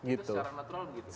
itu secara natural gitu